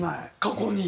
過去に？